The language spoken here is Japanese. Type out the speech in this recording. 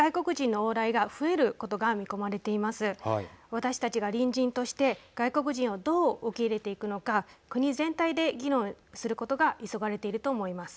私たちが隣人として外国人をどう受け入れていくのか国全体で議論することが急がれていると思います。